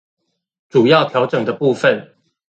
主要調整的部分